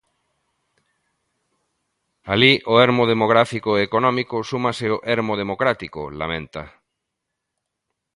Alí ao "ermo demográfico e económico" súmase o "ermo democrático", lamenta.